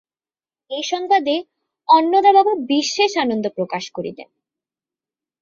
এই সংবাদে অন্নদাবাবু বিশেষ আনন্দপ্রকাশ করিলেন।